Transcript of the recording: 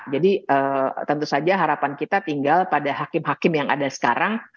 jadi tentu saja harapan kita tinggal pada hakim hakim yang ada sekarang